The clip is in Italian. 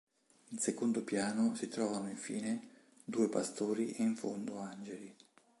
In secondo piano si trovano infine due pastori e in fondo angeli.